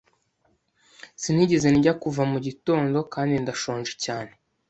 Sinigeze ndya kuva mu gitondo kandi ndashonje cyane.